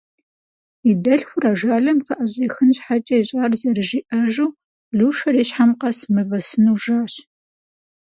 И дэлъхур ажалым къыӏэщӏихын щхьэкӏэ ищӏар зэрыжиӏэжу, Лушэр и щхьэм къэс мывэ сыну жащ.